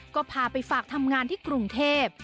ก็พาไปฝากทำงานที่กรุงเทพ